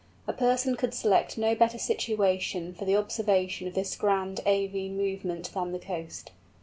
A person could select no better situation for the observation of this grand avine movement than the coast.